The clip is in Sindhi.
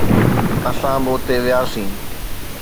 اسان به اتي وياسين.